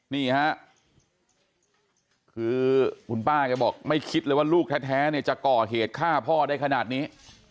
นี่ฮะคือคุณป้าแกบอกไม่คิดเลยว่าลูกแท้เนี่ยจะก่อเหตุฆ่าพ่อได้ขนาดนี้